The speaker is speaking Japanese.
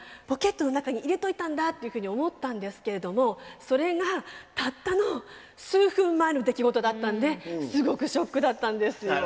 ポケットの中に入れといたんだっていうふうに思ったんですけれどもそれがたったの数分前の出来事だったんですごくショックだったんですよ。